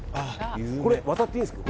渡っていいんですか。